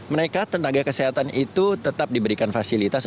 mereka tenaga kesehatan itu tetap diberikan fasilitas